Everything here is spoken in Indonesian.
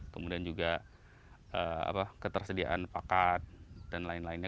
kemudian juga ketersediaan pakat dan lain lainnya